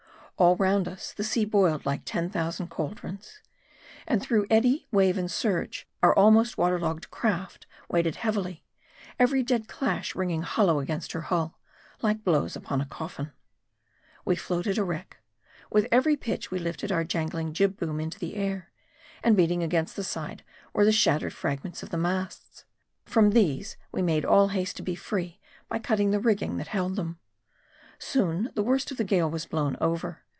All round us, the sea boiled like ten thousand caldrons ; and through eddy, wave, and surge, our almost water logged craft waded heavily ; every dead dash ringing hollow against her hull, like blows upon a coffin. We floated a wreck. With every pitch we lifted our dangling jib boom into the air ; and beating against the side, were the shattered fragments of the masts. From these we made all haste to be free, by cutting the rigging that held them. Soon, the worst of the gale was blown over.